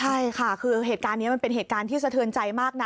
ใช่ค่ะคือเหตุการณ์นี้มันเป็นเหตุการณ์ที่สะเทือนใจมากนะ